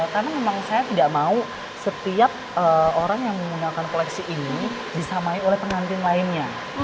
karena memang saya tidak mau setiap orang yang menggunakan koleksi ini disamai oleh pengantin lainnya